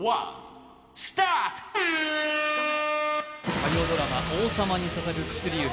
火曜ドラマ「王様に捧ぐ薬指」